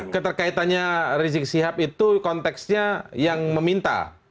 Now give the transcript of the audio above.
keterkaitannya rizik sihab itu konteksnya yang meminta